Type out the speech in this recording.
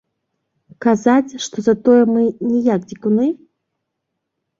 Казаць, што затое мы не як дзікуны?